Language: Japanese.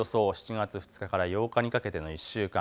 ７月２日から８日にかけての１週間。